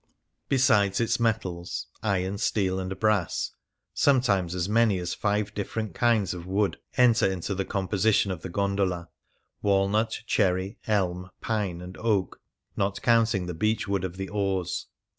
Besides its metals — iron, steel, and brass — sometimes as many as five different kinds of wood enter into the composition of the gondola — walnut, cherry, elm, pine, and oak, not counting the beech wood of the oars.